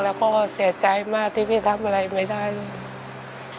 แล้วก็เสียใจมากที่พี่ทำอะไรไม่ได้เลย